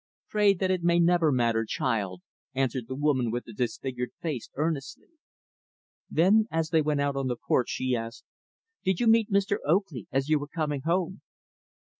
"Pray that it may never matter, child," answered the woman with the disfigured face, earnestly. Then, as they went out to the porch, she asked, "Did you meet Mr. Oakley as you were coming home?"